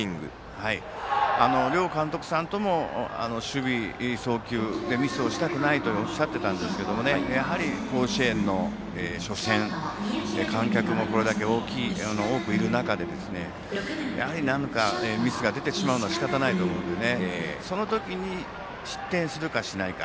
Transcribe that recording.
両監督さんとも守備、送球でミスをしたくないとおっしゃっていたんですけどやはり甲子園の初戦観客もこれだけ多くいる中でやはり何かミスが出てしまうのはしかたがないと思うのでその時に、失点するかしないか。